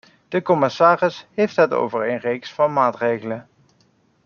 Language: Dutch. De commissaris heeft het over een reeks van maatregelen.